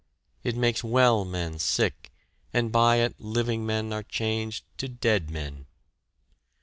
It makes well men sick, and by it living men are changed to dead men.